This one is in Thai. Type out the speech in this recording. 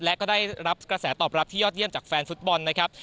และก็ได้รับกระแสตอบรับที่ยอดเยี่ยมจากแฟนฟุตบอลนะครับ